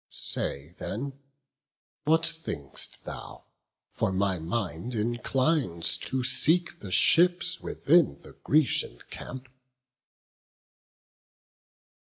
Say then, what think'st thou? for my mind inclines To seek the ships within the Grecian camp."